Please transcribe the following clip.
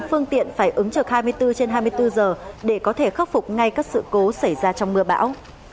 phương tiện phải ứng trực hai mươi bốn trên hai mươi bốn giờ để có thể khắc phục ngay các sự cố xảy ra trong mưa bão